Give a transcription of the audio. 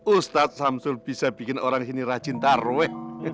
ustadz samsul bisa bikin orang ini rajin tarwe